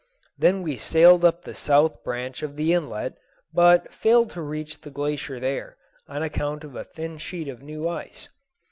Then we sailed up the south branch of the inlet, but failed to reach the glacier there, on account of a thin sheet of new ice.